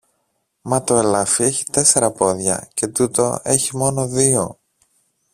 Μα το ελάφι έχει τέσσερα πόδια, και τούτο έχει μόνο δυο!